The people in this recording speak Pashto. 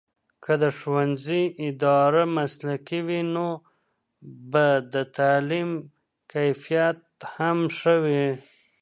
که د ښوونځي اداره مسلکي وي، نو به د تعلیم کیفیت هم ښه وي.